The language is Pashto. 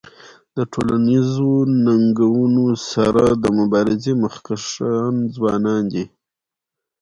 د ټولنیزو ننګونو سره د مبارزې مخکښان ځوانان دي.